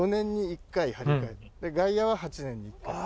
で外野は８年に１回。